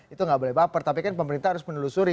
itu nggak boleh baper tapi kan pemerintah harus menelusuri